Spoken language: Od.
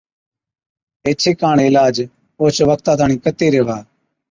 ايڇي ڪاڻ عِلاج اوهچ وقتا تاڻِين ڪتي ريهوا،